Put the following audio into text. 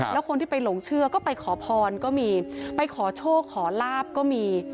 แล้วคนที่ไปหลงเชื่อก็ไปขอพรก็มีไปขอโชคขอลาบก็มี